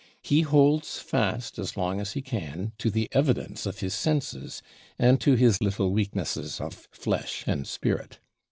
He holds fast as long as he can to the evidence of his senses, and to his little weaknesses of flesh and spirit.